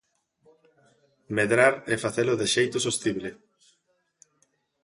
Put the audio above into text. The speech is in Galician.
Medrar e facelo de xeito sostible.